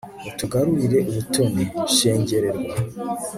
utugarurira ubutoni, shengererwa